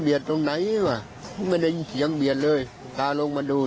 ตรงไหนว่ะไม่ได้ยินเสียงเบียดเลยพาลงมาดู